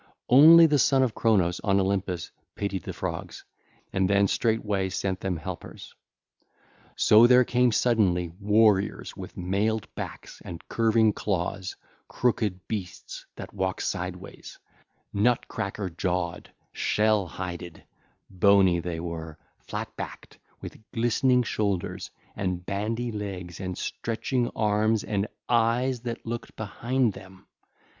Only, the Son of Cronos, on Olympus, pitied the Frogs and then straightway sent them helpers. (ll. 294 303) So there came suddenly warriors with mailed backs and curving claws, crooked beasts that walked sideways, nut cracker jawed, shell hided: bony they were, flat backed, with glistening shoulders and bandy legs and stretching arms and eyes that looked behind them.